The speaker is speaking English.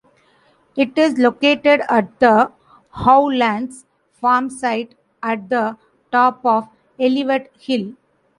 It is located at the Howlands Farm site at the top of Elvet Hill.